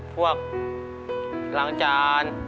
พวกล้างจาน